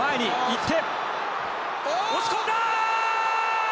押し込んだ！